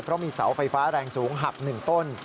เพราะมีเสาไฟฟ้าแรงสูงหัก๑ต้น